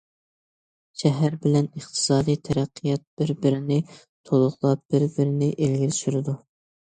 شەھەر بىلەن ئىقتىسادىي تەرەققىيات بىر- بىرىنى تولۇقلاپ، بىر- بىرىنى ئىلگىرى سۈرىدۇ.